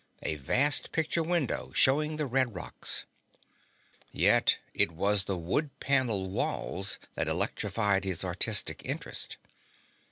A vast picture window showing the red rocks. Yet it was the wood paneled walls that electrified his artistic interest.